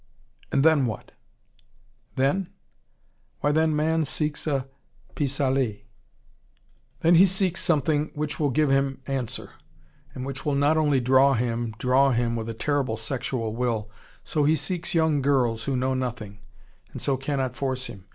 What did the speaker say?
"And then what?" "Then? Why then man seeks a pis aller. Then he seeks something which will give him answer, and which will not only draw him, draw him, with a terrible sexual will. So he seeks young girls, who know nothing, and so cannot force him.